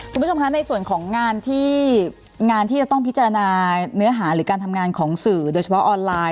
คุณผู้ชมคะในส่วนของงานที่งานที่จะต้องพิจารณาเนื้อหาหรือการทำงานของสื่อโดยเฉพาะออนไลน์